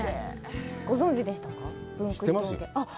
ご存じでしたか？